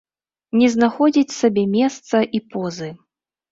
Не знаходзіць сабе месца і позы.